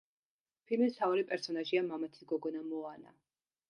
ფილმის მთავარი პერსონაჟია მამაცი გოგონა მოანა.